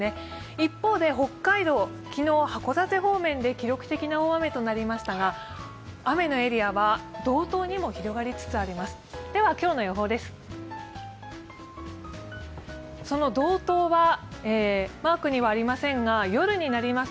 一方北海道、箱館方面で記録的な大雨となりましたが、雨のエリアは道東にも広がりつつあります。